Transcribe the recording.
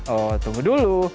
oh tunggu dulu